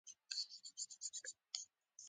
ما پوښتنه وکړه چې جرمني ژبه دې څنګه زده کړه